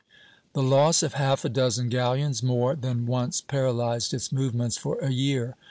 The loss of half a dozen galleons more than once paralyzed its movements for a year.